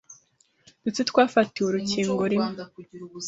ndetse twafatiye urukingo rimwe,